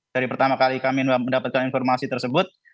dari pertama kali kami mendapatkan informasi tersebut